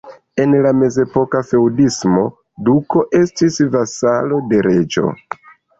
En la mezepoka feŭdismo, duko estis vasalo de reĝo.